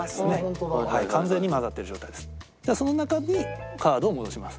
ではその中にカードを戻します。